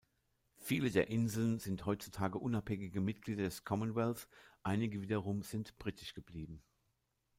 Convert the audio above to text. Viele der Inseln sind heutzutage unabhängige Mitglieder des Commonwealth, einige wiederum sind britisch geblieben.